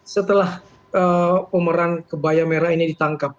setelah pemeran kebaya merah ini ditangkap